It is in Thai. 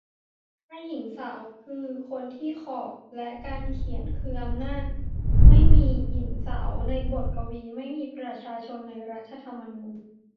ถ้า หญิงสาว คือ คนที่ขอบ และ การเขียน คือ อำนาจ. ไม่มีหญิงสาวในบทกวี. ไม่มีประชาชนในรัฐธรรมนูญ.